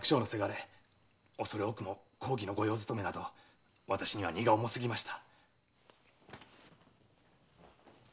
おそれ多くも公儀の御用勤めなど私には荷が重すぎました。